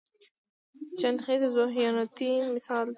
چنډخې د ذوحیاتین مثال دی